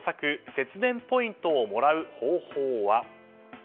節電ポイントをもらう方法は？